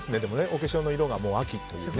お化粧の色が秋という。